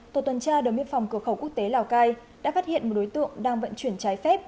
tổ tuần tra đồn biên phòng cửa khẩu quốc tế lào cai đã phát hiện một đối tượng đang vận chuyển trái phép